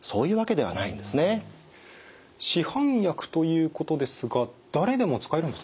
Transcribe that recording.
市販薬ということですが誰でも使えるんですか？